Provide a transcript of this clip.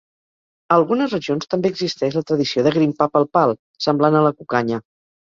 A algunes regions també existeix la tradició de grimpar pel pal, semblant a la cucanya.